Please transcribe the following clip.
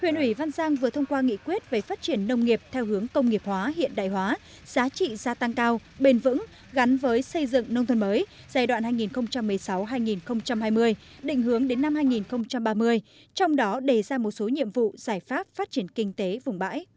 huyện văn giang có nhiều chính sách đầu tư hỗ trợ nhằm thúc đẩy sản xuất hiệu quả cao mô hình sản xuất hiệu quả cao